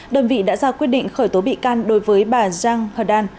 đơn vị đã ra quyết định khởi tố bị can đối với bà giang hờ đan